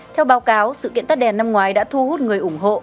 theo báo cáo sự kiện tắt đèn năm ngoái đã thu hút người ủng hộ